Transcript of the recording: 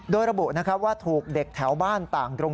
โดยระบุนะครับว่าถูกเด็กแถวบ้านต่างกรุง